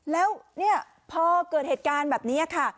แล้วเนี่ยพอเกิดเหตุการณ์แบบนี้ค่ะ